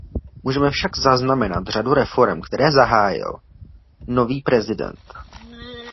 Můžeme však zaznamenat řadu reforem, které zahájil nový prezident.